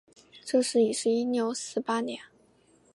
这时已是一六四八年。